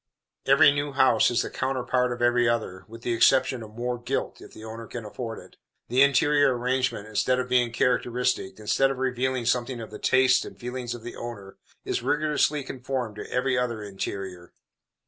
Every new house is the counterpart of every other, with the exception of more gilt, if the owner can afford it. The interior arrangement, instead of being characteristic, instead of revealing something of the tastes and feelings of the owner, is rigorously conformed to every other interior.